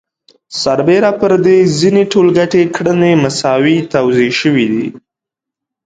سربېره پر دې ځینې ټولګټې کړنې مساوي توزیع شوي دي